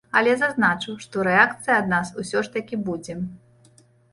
Але зазначу, што рэакцыя ад нас усё ж такі будзе.